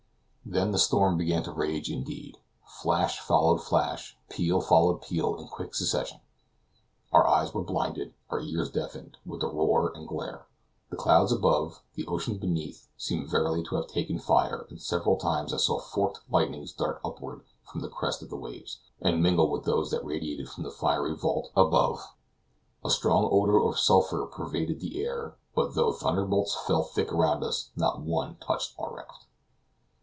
Then the storm began to rage indeed. Flash followed flash, peal followed peal in quick succession. Our eyes were blinded, our ears deafened, with the roar and glare. The clouds above, the ocean beneath, seemed verily to have taken fire, and several times I saw forked lightnings dart upward from the crest of the waves, and mingle with those that radiated from the fiery vault above. A strong odor of sulphur pervaded the air, but though thunderbolts fell thick around us, not one touched our raft.